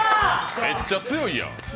めっちゃ強いやん。